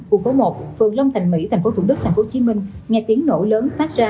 khu phố một phường long thành mỹ tp thủ đức tp hcm nghe tiếng nổ lớn phát ra